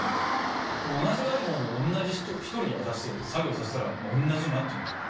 同じｉＰｈｏｎｅを１人に渡して作業させたら同じになって行きますよね。